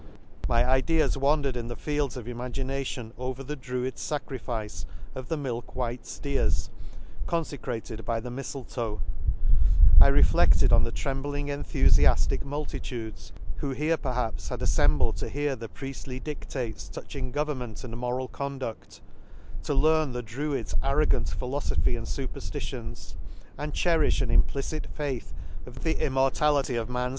My ideas wandered in the fields of imagination over the druids facrifice of the milk white fleers, confecrated by the mifletoe. — I reflected on the trembling enthufiaftic multitudes, who here per haps had affembled to hear the prieftly dictates touching government, and moral condud ;— to learn the druids arrogant philofophy and fuperftitions, and cheriih an implicit faith of the immortality of man's " i wm 1 ■■■■■———— r— ——— p— i— —— m 1 1 1.